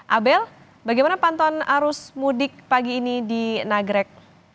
abel bagaimana pantauan arus mudik pagi ini di nagrek